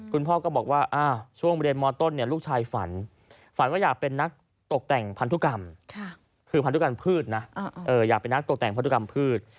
คุณพ่อก็บอกว่าช่วงเรียนมต้นลูกชายฝันฝันว่าอยากเป็นนักตกแต่งพันธุกรรมคือพันธุกรรมพืชนะอยากเป็นนักตกแต่งพันธุกรรมพืช